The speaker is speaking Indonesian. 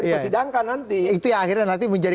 dipersidangkan nanti itu yang akhirnya nanti menjadi